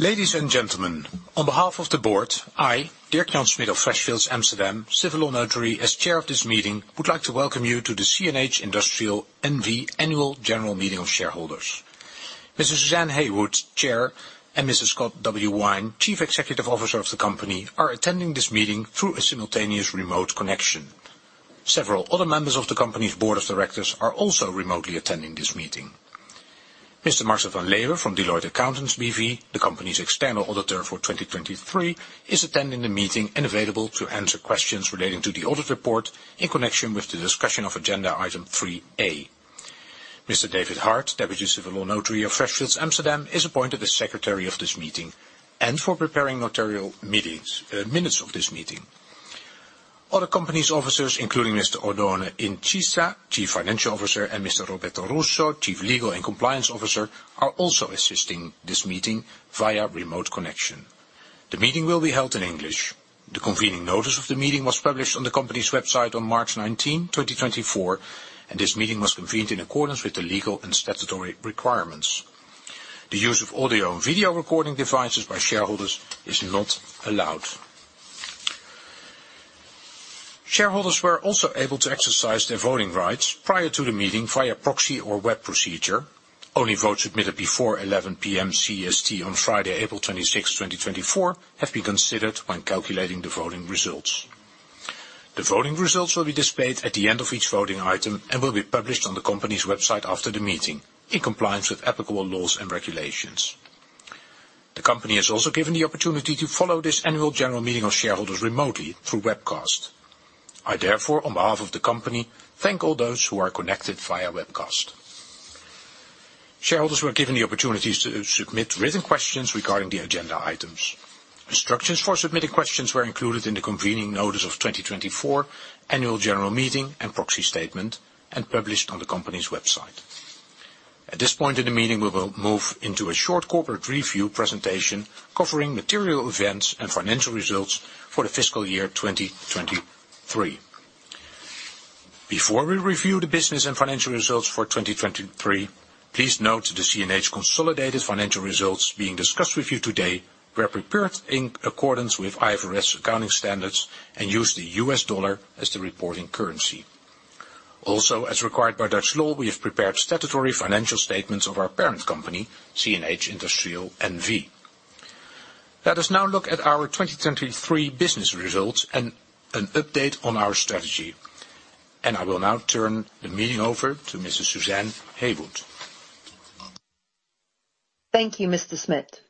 Ladies and gentlemen, on behalf of the Board, I, Dirk-Jan Smit of Freshfields Amsterdam, Civil Law Notary, as chair of this meeting would like to welcome you to the CNH Industrial N.V. Annual General Meeting of Shareholders. Ms. Suzanne Heywood, Chair, and Mr. Scott W. Wine, Chief Executive Officer of the company, are attending this meeting through a simultaneous remote connection. Several other members of the company's board of directors are also remotely attending this meeting. Mr. Marcel van Leeuwen from Deloitte Accountants B.V., the company's external auditor for 2023, is attending the meeting and available to answer questions relating to the audit report in connection with the discussion of agenda item 3A. Mr. David Hart, Deputy Civil Law Notary of Freshfields Amsterdam, is appointed as secretary of this meeting and for preparing notarial meetings, minutes of this meeting. Other company's officers, including Mr. Oddone Incisa, Chief Financial Officer, and Mr. Roberto Russo, Chief Legal and Compliance Officer, are also assisting this meeting via remote connection. The meeting will be held in English. The convening notice of the meeting was published on the company's website on March 19, 2024, and this meeting was convened in accordance with the legal and statutory requirements. The use of audio and video recording devices by shareholders is not allowed. Shareholders were also able to exercise their voting rights prior to the meeting via proxy or web procedure. Only votes submitted before 11:00 P.M. CST on Friday, April 26, 2024, have been considered when calculating the voting results. The voting results will be displayed at the end of each voting item and will be published on the company's website after the meeting in compliance with applicable laws and regulations. The company has also given the opportunity to follow this Annual General Meeting of shareholders remotely through webcast. I therefore, on behalf of the company, thank all those who are connected via webcast. Shareholders were given the opportunities to submit written questions regarding the agenda items. Instructions for submitting questions were included in the convening notice of 2024 Annual General Meeting and proxy statement and published on the company's website. At this point in the meeting, we will move into a short corporate review presentation covering material events and financial results for the fiscal year 2023. Before we review the business and financial results for 2023, please note the CNH consolidated financial results being discussed with you today were prepared in accordance with IFRS accounting standards and used the U.S. dollar as the reporting currency. Also, as required by Dutch law, we have prepared statutory financial statements of our parent company, CNH Industrial N.V. Let us now look at our 2023 business results and an update on our strategy, and I will now turn the meeting over to Ms. Suzanne Heywood. Thank you, Mr. Smit.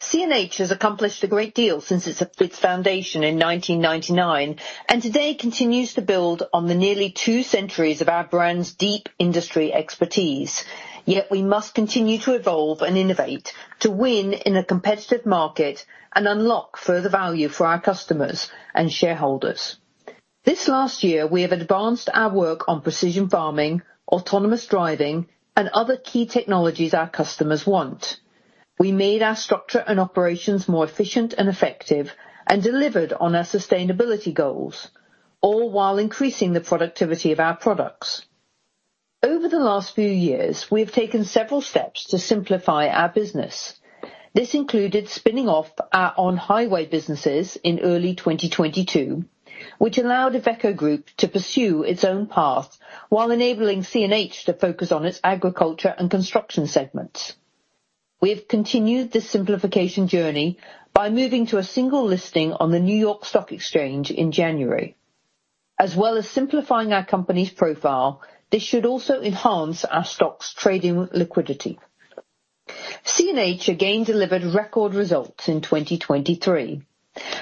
CNH has accomplished a great deal since its foundation in 1999 and today continues to build on the nearly two centuries of our brand's deep industry expertise. Yet we must continue to evolve and innovate to win in a competitive market and unlock further value for our customers and shareholders. This last year, we have advanced our work on precision farming, autonomous driving, and other key technologies our customers want. We made our structure and operations more efficient and effective and delivered on our sustainability goals, all while increasing the productivity of our products. Over the last few years, we have taken several steps to simplify our business. This included spinning off our on-highway businesses in early 2022, which allowed Iveco Group to pursue its own path while enabling CNH to focus on its agriculture and construction segments. We have continued this simplification journey by moving to a single listing on the New York Stock Exchange in January. As well as simplifying our company's profile, this should also enhance our stock's trading liquidity. CNH again delivered record results in 2023.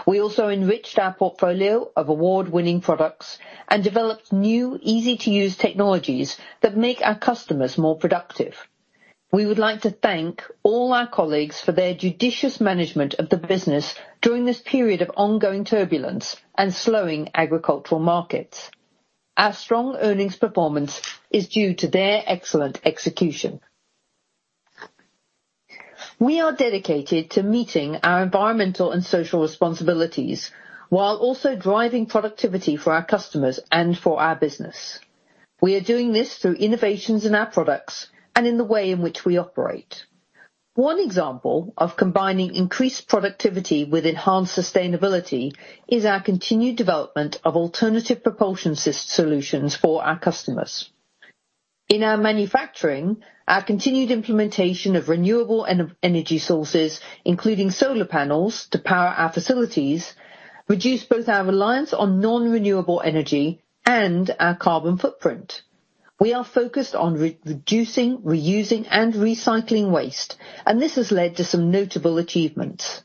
We also enriched our portfolio of award-winning products and developed new, easy-to-use technologies that make our customers more productive. We would like to thank all our colleagues for their judicious management of the business during this period of ongoing turbulence and slowing agricultural markets. Our strong earnings performance is due to their excellent execution. We are dedicated to meeting our environmental and social responsibilities while also driving productivity for our customers and for our business. We are doing this through innovations in our products and in the way in which we operate. One example of combining increased productivity with enhanced sustainability is our continued development of alternative propulsion system solutions for our customers. In our manufacturing, our continued implementation of renewable energy sources, including solar panels to power our facilities, reduced both our reliance on non-renewable energy and our carbon footprint. We are focused on re-reducing, reusing, and recycling waste, and this has led to some notable achievements.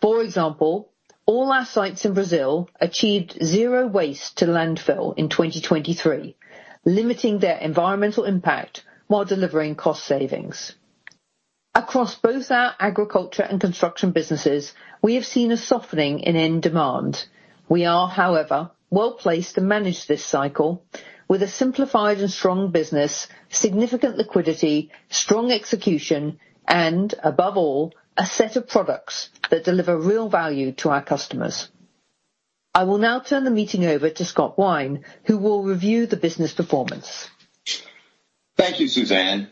For example, all our sites in Brazil achieved zero waste to landfill in 2023, limiting their environmental impact while delivering cost savings. Across both our agriculture and construction businesses, we have seen a softening in end demand. We are, however, well-placed to manage this cycle with a simplified and strong business, significant liquidity, strong execution, and, above all, a set of products that deliver real value to our customers. I will now turn the meeting over to Scott Wine, who will review the business performance. Thank you, Suzanne.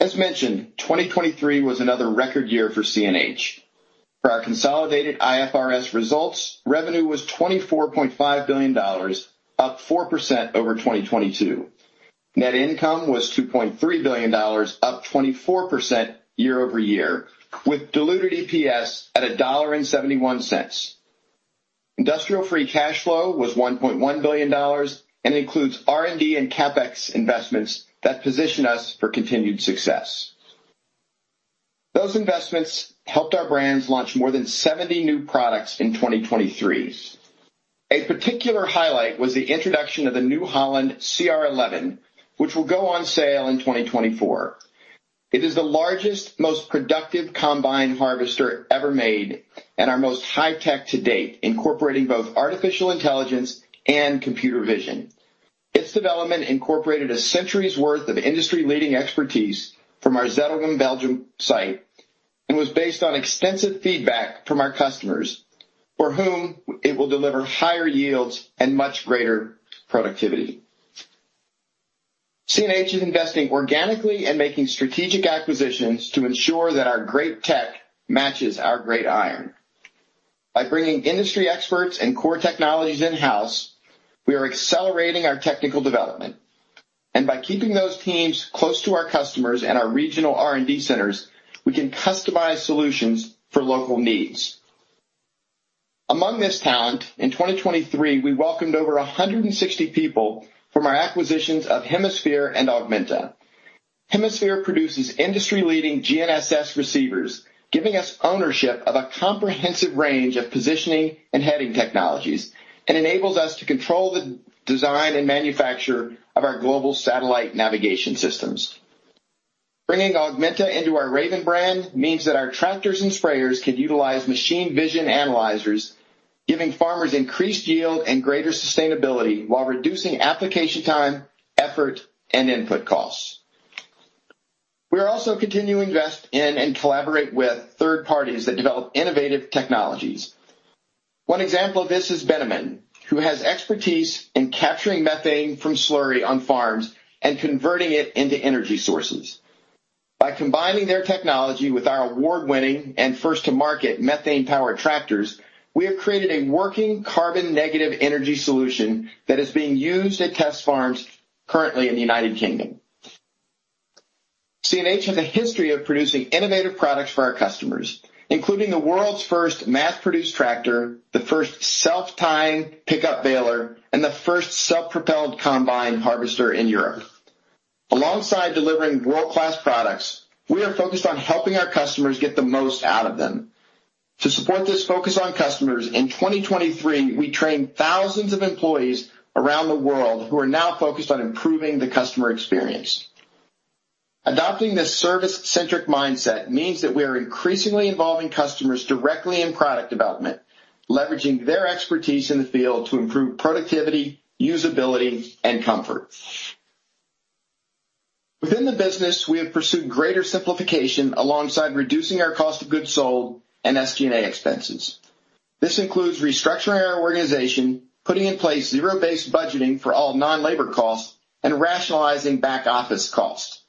As mentioned, 2023 was another record year for CNH. For our consolidated IFRS results, revenue was $24.5 billion, up 4% over 2022. Net income was $2.3 billion, up 24% year-over-year, with diluted EPS at $1.71. Industrial free cash flow was $1.1 billion, and it includes R&D and CapEx investments that position us for continued success. Those investments helped our brands launch more than 70 new products in 2023. A particular highlight was the introduction of the New Holland CR11, which will go on sale in 2024. It is the largest, most productive combine harvester ever made and our most high-tech to date, incorporating both artificial intelligence and computer vision. Its development incorporated a century's worth of industry-leading expertise from our Zedelgem, Belgium, site and was based on extensive feedback from our customers, for whom it will deliver higher yields and much greater productivity. CNH is investing organically and making strategic acquisitions to ensure that our great tech matches our great iron. By bringing industry experts and core technologies in-house, we are accelerating our technical development. By keeping those teams close to our customers and our regional R&D centers, we can customize solutions for local needs. Among this talent, in 2023, we welcomed over 160 people from our acquisitions of Hemisphere and Augmenta. Hemisphere produces industry-leading GNSS receivers, giving us ownership of a comprehensive range of positioning and heading technologies, and enables us to control the design and manufacture of our global satellite navigation systems. Bringing Augmenta into our Raven brand means that our tractors and sprayers can utilize machine vision analyzers, giving farmers increased yield and greater sustainability while reducing application time, effort, and input costs. We are also continuing to invest in and collaborate with third parties that develop innovative technologies. One example of this is Bennamann, who has expertise in capturing methane from slurry on farms and converting it into energy sources. By combining their technology with our award-winning and first-to-market methane-powered tractors, we have created a working carbon-negative energy solution that is being used at test farms currently in the United Kingdom. CNH has a history of producing innovative products for our customers, including the world's first mass-produced tractor, the first self-tying pickup baler, and the first self-propelled combine harvester in Europe. Alongside delivering world-class products, we are focused on helping our customers get the most out of them. To support this focus on customers, in 2023, we trained thousands of employees around the world who are now focused on improving the customer experience. Adopting this service-centric mindset means that we are increasingly involving customers directly in product development, leveraging their expertise in the field to improve productivity, usability, and comfort. Within the business, we have pursued greater simplification alongside reducing our cost of goods sold and SG&A expenses. This includes restructuring our organization, putting in place zero-based budgeting for all non-labor costs, and rationalizing back-office costs.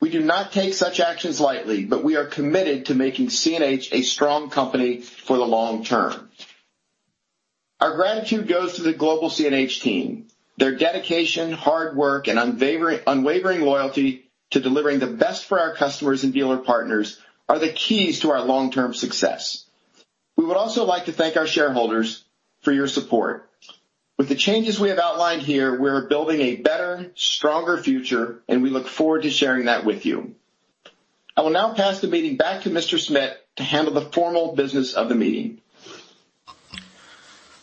We do not take such actions lightly, but we are committed to making CNH a strong company for the long term. Our gratitude goes to the global CNH team. Their dedication, hard work, and unwavering loyalty to delivering the best for our customers and dealer partners are the keys to our long-term success. We would also like to thank our shareholders for your support. With the changes we have outlined here, we are building a better, stronger future, and we look forward to sharing that with you. I will now pass the meeting back to Mr. Smit to handle the formal business of the meeting.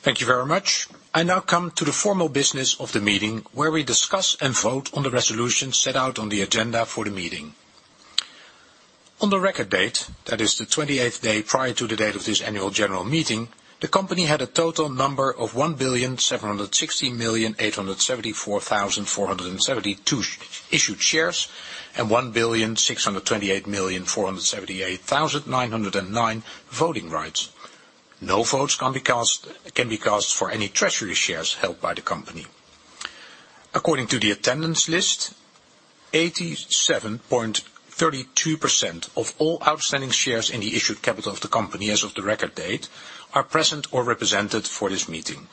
Thank you very much. I now come to the formal business of the meeting, where we discuss and vote on the resolutions set out on the agenda for the meeting. On the record date, that is, the 28th day prior to the date of this annual general meeting, the company had a total number of 1,760,874,472 issued shares and 1,628,478,909 voting rights. No votes can be cast for any treasury shares held by the company. According to the attendance list, 87.32% of all outstanding shares in the issued capital of the company as of the record date are present or represented for this meeting.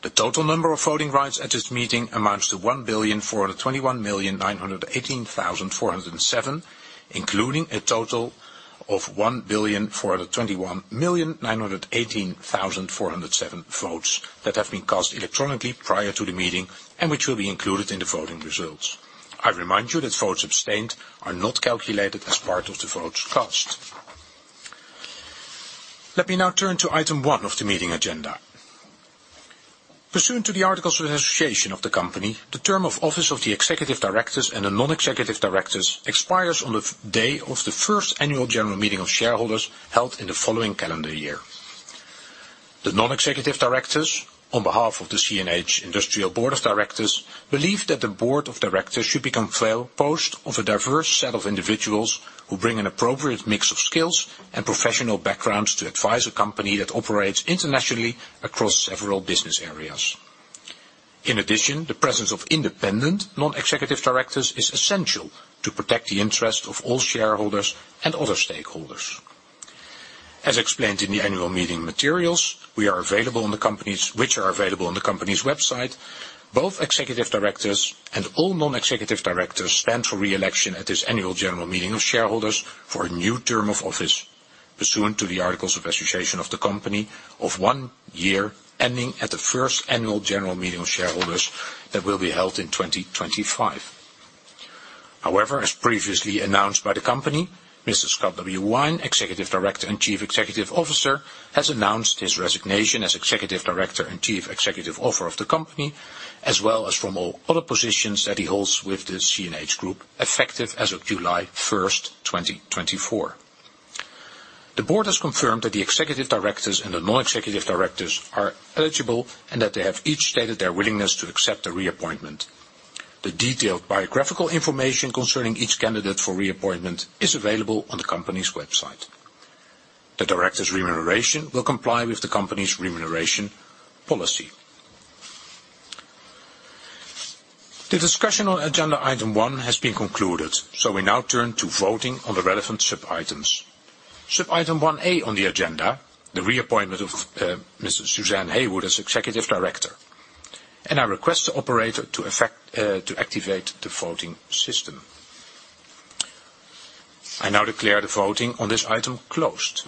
The total number of voting rights at this meeting amounts to 1,421,918,407, including a total of 1,421,918,407 votes that have been cast electronically prior to the meeting and which will be included in the voting results. I remind you that votes obtained are not calculated as part of the votes cast. Let me now turn to item one of the meeting agenda. Pursuant to the Articles of Association of the company, the term of office of the Executive Directors and the Non-Executive Directors expires on the day of the first annual general meeting of shareholders held in the following calendar year. The Non-Executive Directors, on behalf of the CNH Industrial Board of Directors, believe that the Board of Directors should be composed of a diverse set of individuals who bring an appropriate mix of skills and professional backgrounds to advise a company that operates internationally across several business areas. In addition, the presence of independent Non-Executive Directors is essential to protect the interests of all shareholders and other stakeholders. As explained in the Annual General Meeting materials, which are available on the company's website, both Executive Directors and all Non-Executive Directors stand for re-election at this Annual General Meeting of shareholders for a new term of office, pursuant to the Articles of Association of the company, of one year ending at the first Annual General Meeting of shareholders that will be held in 2025. However, as previously announced by the company, Mr. Scott Wine, Executive Director and Chief Executive Officer, has announced his resignation as Executive Director and Chief Executive Officer of the company, as well as from all other positions that he holds with the CNH Group, effective as of July 1st, 2024. The Board has confirmed that the Executive Directors and the Non-Executive Directors are eligible and that they have each stated their willingness to accept the reappointment. The detailed biographical information concerning each candidate for reappointment is available on the company's website. The Directors' remuneration will comply with the company's remuneration policy. The discussion on agenda item one has been concluded, so we now turn to voting on the relevant sub-items. Sub-item 1A on the agenda, the reappointment of Ms. Suzanne Heywood as Executive Director, and I request the operator to activate the voting system. I now declare the voting on this item closed.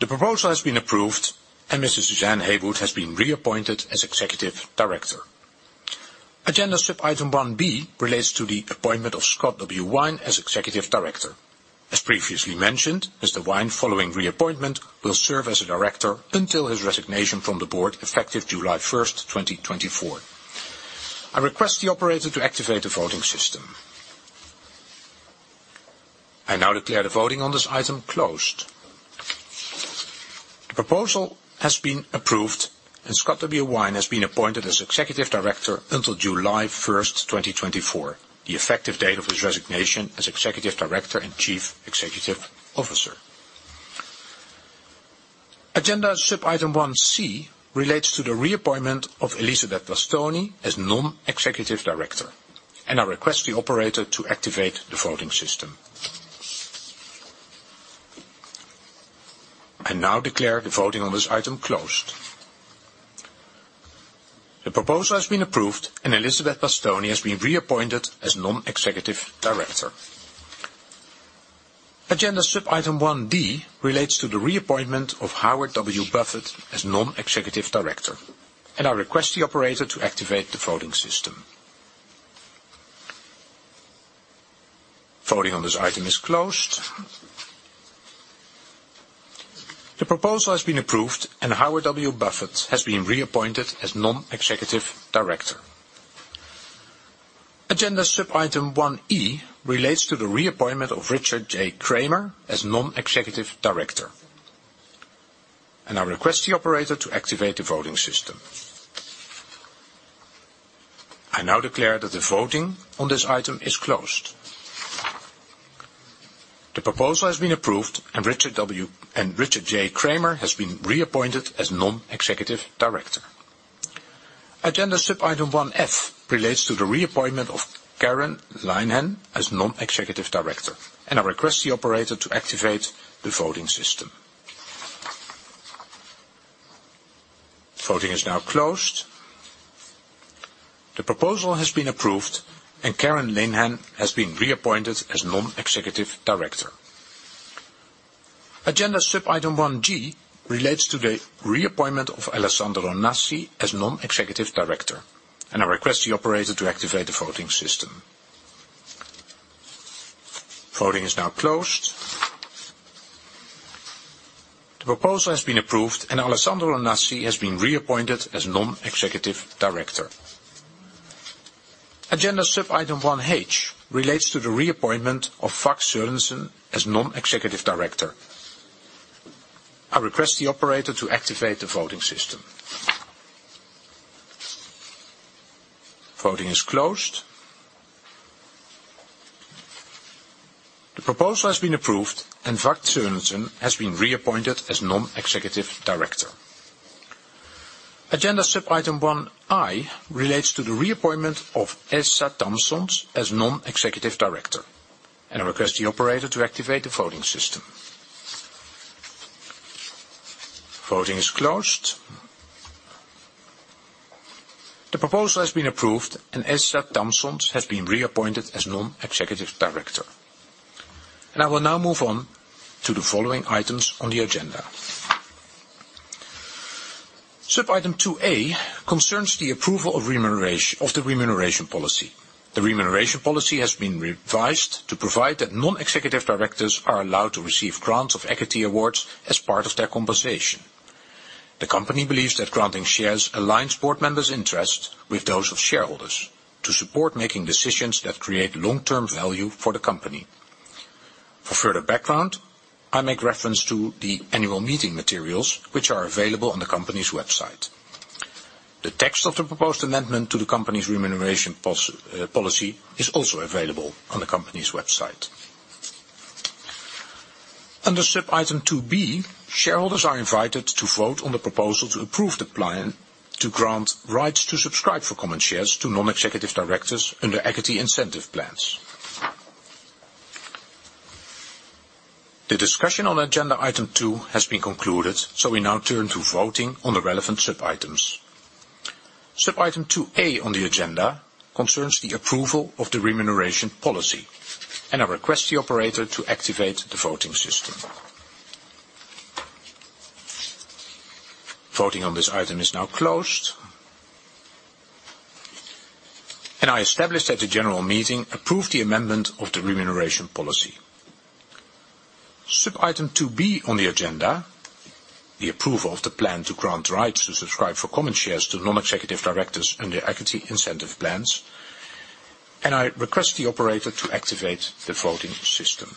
The proposal has been approved, and Ms. Suzanne Heywood has been reappointed as Executive Director. Agenda sub-item 1B relates to the appointment of Scott Wine as Executive Director. As previously mentioned, Mr. Wine, following reappointment, will serve as a director until his resignation from the Board, effective July 1st, 2024. I request the operator to activate the voting system. I now declare the voting on this item closed. The proposal has been approved, and Scott W. Wine has been appointed as Executive Director until July 1st, 2024, the effective date of his resignation as Executive Director and Chief Executive Officer. Agenda sub-item 1C relates to the reappointment of Elizabeth Bastoni as Non-Executive Director, and I request the operator to activate the voting system. I now declare the voting on this item closed. The proposal has been approved, and Elizabeth Bastoni has been reappointed as Non-Executive Director. Agenda sub-item 1D relates to the reappointment of Howard W. Buffett as Non-Executive Director, and I request the operator to activate the voting system. Voting on this item is closed. The proposal has been approved, and Howard W. Buffett has been reappointed as Non-Executive Director. Agenda sub-item 1E relates to the reappointment of Richard J. Kramer as Non-Executive Director, and I request the operator to activate the voting system. I now declare that the voting on this item is closed. The proposal has been approved, and Richard J. Kramer has been reappointed as Non-Executive Director. Agenda sub-item 1F relates to the reappointment of Karen Linehan as Non-Executive Director, and I request the operator to activate the voting system. Voting is now closed. The proposal has been approved, and Karen Linehan has been reappointed as Non-Executive Director. Agenda sub-item 1G relates to the reappointment of Alessandro Nasi as Non-Executive Director, and I request the operator to activate the voting system. Voting is now closed. The proposal has been approved, and Alessandro Nasi has been reappointed as Non-Executive Director. Agenda sub-item 1H relates to the reappointment of Vagn Sørensen as Non-Executive Director. I request the operator to activate the voting system. Voting is closed. The proposal has been approved, and Vagn Sørensen has been reappointed as Non-Executive Director. Agenda sub-item 1I relates to the reappointment of Åsa Tamsons as Non-Executive Director, and I request the operator to activate the voting system. Voting is closed. The proposal has been approved, and Åsa Tamsons has been reappointed as Non-Executive Director. I will now move on to the following items on the agenda. Sub-item 2A concerns the approval of the remuneration policy. The remuneration policy has been revised to provide that Non-Executive Directors are allowed to receive grants of equity awards as part of their compensation. The company believes that granting shares aligns board members' interests with those of shareholders to support making decisions that create long-term value for the company. For further background, I make reference to the annual meeting materials, which are available on the company's website. The text of the proposed amendment to the company's remuneration policy is also available on the company's website. Under sub-item 2B, shareholders are invited to vote on the proposal to approve the plan to grant rights to subscribe for common shares to Non-Executive Directors under equity incentive plans. The discussion on agenda item 2 has been concluded, so we now turn to voting on the relevant sub-items. Sub-item 2A on the agenda concerns the approval of the remuneration policy, and I request the operator to activate the voting system. Voting on this item is now closed. I established at the general meeting approved the amendment of the remuneration policy. Sub-item 2B on the agenda, the approval of the plan to grant rights to subscribe for common shares to Non-Executive Directors under equity incentive plans, and I request the operator to activate the voting system.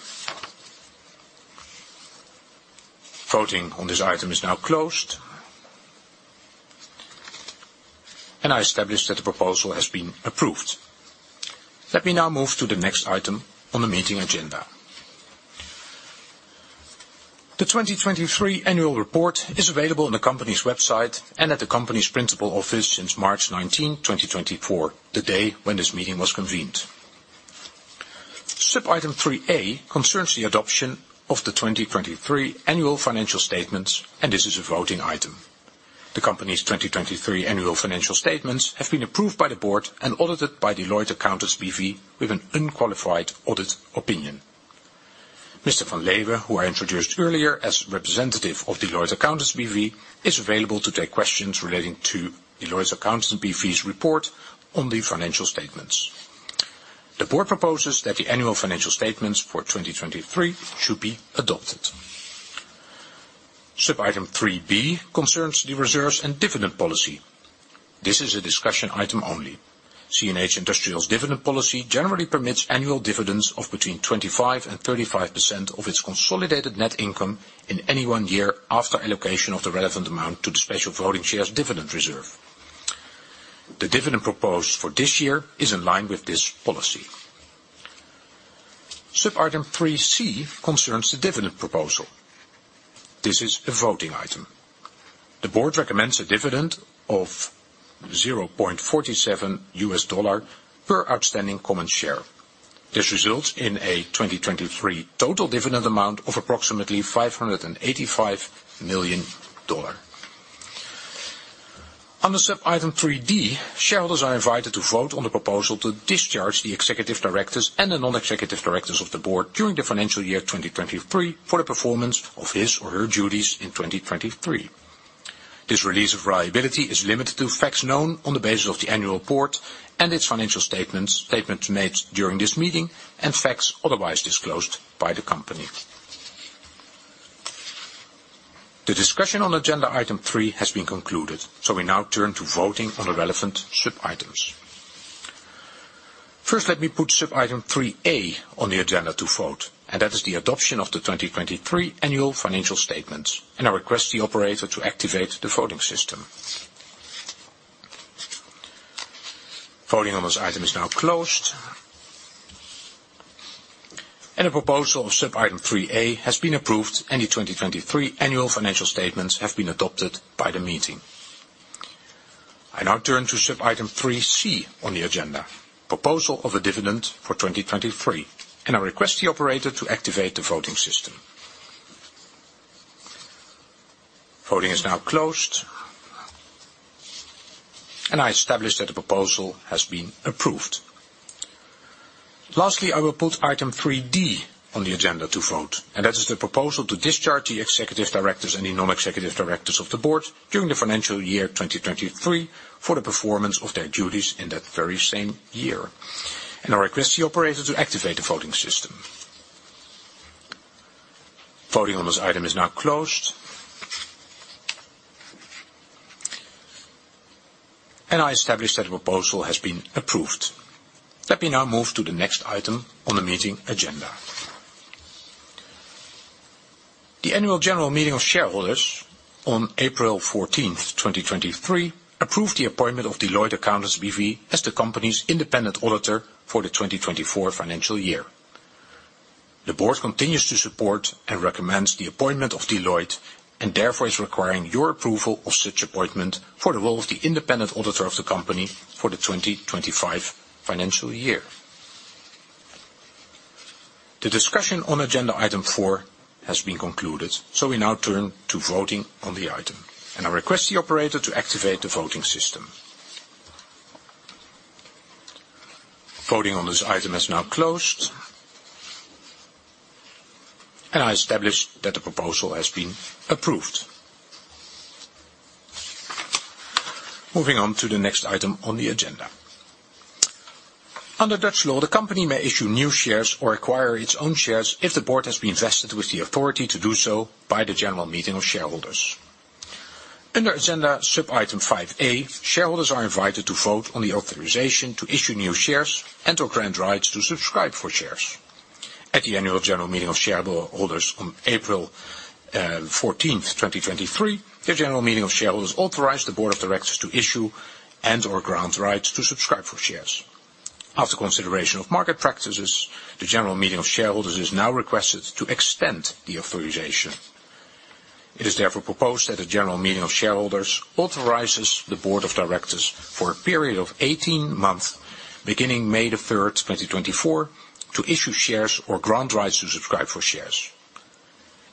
Voting on this item is now closed. I established that the proposal has been approved. Let me now move to the next item on the meeting agenda. The 2023 annual report is available on the company's website and at the company's principal office since March 19, 2024, the day when this meeting was convened. Sub-item 3A concerns the adoption of the 2023 annual financial statements, and this is a voting item. The company's 2023 annual financial statements have been approved by the Board and audited by Deloitte Accountants B.V. with an unqualified audit opinion. Mr. van Leeuwen, who I introduced earlier as representative of Deloitte Accountants B.V., is available to take questions relating to Deloitte Accountants B.V.'s report on the financial statements. The Board proposes that the annual financial statements for 2023 should be adopted. Sub-item 3B concerns the reserves and dividend policy. This is a discussion item only. CNH Industrial's dividend policy generally permits annual dividends of between 25%-35% of its consolidated net income in any one year after allocation of the relevant amount to the special voting shares dividend reserve. The dividend proposed for this year is in line with this policy. Sub-item 3C concerns the dividend proposal. This is a voting item. The Board recommends a dividend of $0.47 per outstanding common share. This results in a 2023 total dividend amount of approximately $585 million. Under sub-item 3D, shareholders are invited to vote on the proposal to discharge the executive directors and the non-executive directors of the Board during the financial year 2023 for the performance of his or her duties in 2023. This release of liability is limited to facts known on the basis of the annual report and its financial statements, statements made during this meeting, and facts otherwise disclosed by the company. The discussion on agenda item three has been concluded, so we now turn to voting on the relevant sub-items. First, let me put sub-item 3A on the agenda to vote, and that is the adoption of the 2023 annual financial statements, and I request the operator to activate the voting system. Voting on this item is now closed. And the proposal of sub-item 3A has been approved, and the 2023 annual financial statements have been adopted by the meeting. I now turn to sub-item 3C on the agenda, proposal of a dividend for 2023, and I request the operator to activate the voting system. Voting is now closed. I established that the proposal has been approved. Lastly, I will put item 3D on the agenda to vote, and that is the proposal to discharge the executive directors and the non-executive directors of the Board during the financial year 2023 for the performance of their duties in that very same year. I request the operator to activate the voting system. Voting on this item is now closed. I established that the proposal has been approved. Let me now move to the next item on the meeting agenda. The annual general meeting of shareholders on April 14th, 2023, approved the appointment of Deloitte Accountants B.V. as the company's independent auditor for the 2024 financial year. The Board continues to support and recommends the appointment of Deloitte, and therefore is requiring your approval of such appointment for the role of the independent auditor of the company for the 2025 financial year. The discussion on agenda item four has been concluded, so we now turn to voting on the item, and I request the operator to activate the voting system. Voting on this item is now closed. I established that the proposal has been approved. Moving on to the next item on the agenda. Under Dutch law, the company may issue new shares or acquire its own shares if the Board has been vested with the authority to do so by the general meeting of shareholders. Under agenda sub-item 5A, shareholders are invited to vote on the authorization to issue new shares and/or grant rights to subscribe for shares. At the Annual General Meeting of shareholders on April 14th, 2023, the general meeting of shareholders authorized the Board of directors to issue and/or grant rights to subscribe for shares. After consideration of market practices, the general meeting of shareholders is now requested to extend the authorization. It is therefore proposed that the general meeting of shareholders authorizes the Board of directors for a period of 18 months, beginning May 3rd, 2024, to issue shares or grant rights to subscribe for shares.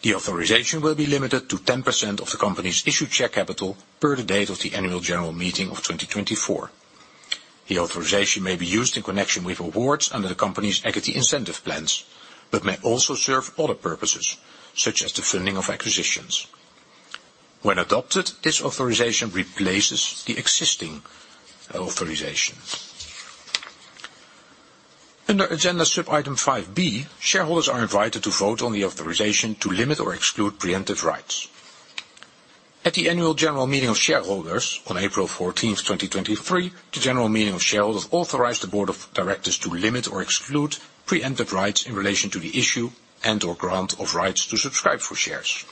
The authorization will be limited to 10% of the company's issued share capital per the date of the annual general meeting of 2024. The authorization may be used in connection with awards under the company's equity incentive plans but may also serve other purposes, such as the funding of acquisitions. When adopted, this authorization replaces the existing authorization. Under agenda sub-item 5B, shareholders are invited to vote on the authorization to limit or exclude preemptive rights. At the annual general meeting of shareholders on April 14th, 2023, the general meeting of shareholders authorized the Board of directors to limit or exclude preemptive rights in relation to the issue and/or grant of rights to subscribe for shares.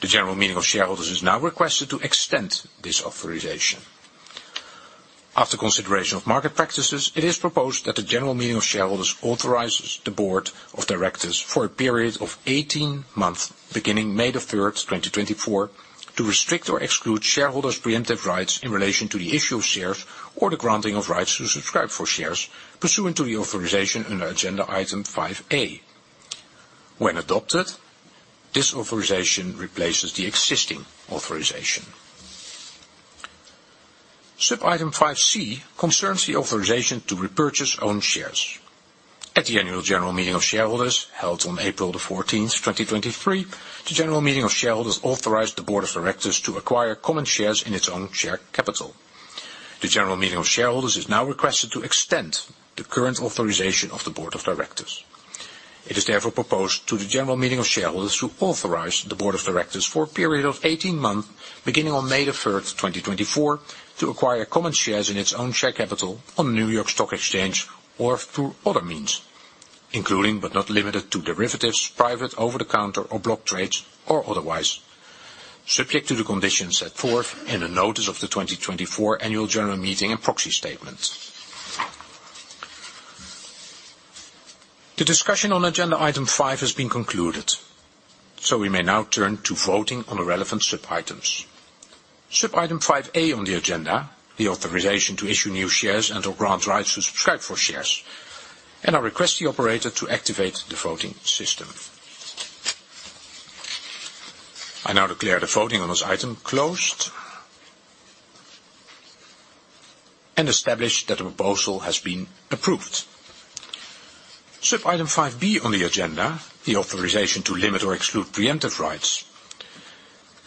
The general meeting of shareholders is now requested to extend this authorization. After consideration of market practices, it is proposed that the general meeting of shareholders authorizes the Board of directors for a period of 18 months, beginning May the 3rd, 2024, to restrict or exclude shareholders' preemptive rights in relation to the issue of shares or the granting of rights to subscribe for shares pursuant to the authorization under agenda item 5A. When adopted, this authorization replaces the existing authorization. Sub-item 5C concerns the authorization to repurchase own shares. At the Annual General Meeting of shareholders held on April the 14th, 2023, the general meeting of shareholders authorized the Board of directors to acquire common shares in its own share capital. The general meeting of shareholders is now requested to extend the current authorization of the Board of directors. It is therefore proposed to the general meeting of shareholders to authorize the Board of directors for a period of 18 months, beginning on May the 3rd, 2024, to acquire common shares in its own share capital on New York Stock Exchange or through other means, including but not limited to derivatives, private, over-the-counter, or block trades, or otherwise, subject to the conditions set forth in the notice of the 2024 Annual General Meeting and proxy statements. The discussion on agenda item 5 has been concluded, so we may now turn to voting on the relevant sub-items. Sub-item 5A on the agenda, the authorization to issue new shares and/or grant rights to subscribe for shares. I request the operator to activate the voting system. I now declare the voting on this item closed. I establish that the proposal has been approved. Sub-item 5B on the agenda, the authorization to limit or exclude preemptive rights.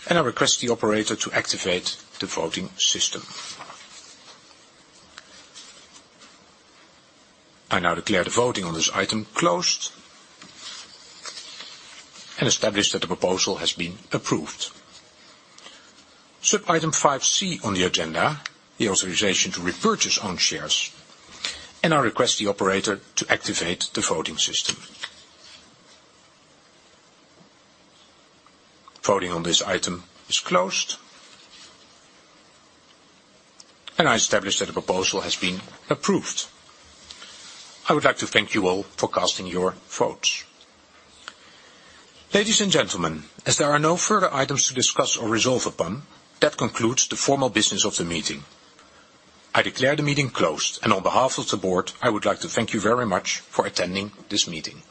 I request the operator to activate the voting system. I now declare the voting on this item closed. I establish that the proposal has been approved. Sub-item 5C on the agenda, the authorization to repurchase own shares. I request the operator to activate the voting system. Voting on this item is closed. I established that the proposal has been approved. I would like to thank you all for casting your votes. Ladies and gentlemen, as there are no further items to discuss or resolve upon, that concludes the formal business of the meeting. I declare the meeting closed, and on behalf of the Board, I would like to thank you very much for attending this meeting.